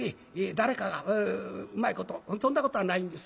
誰かがうまいことそんなことはないんです。